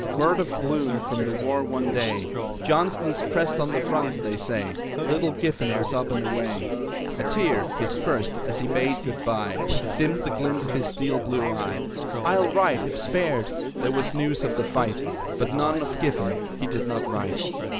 Word of gloom from the war one day: "Johnston's pressed at the front, they say!" Little Giffen was up and away; A tear his first as he bade good by, Dimmed the glint of his steel blue eye. "I'll write, if spared!" There was news of the fight; But none of Giffen he did not write.